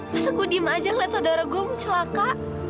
masa saya diam saja melihat saudara saya mencelaka